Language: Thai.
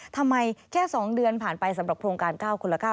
แค่๒เดือนผ่านไปสำหรับโครงการ๙คนละ๙